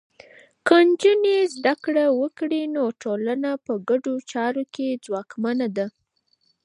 که نجونې زده کړه وکړي، نو ټولنه په ګډو چارو کې ځواکمنه ده.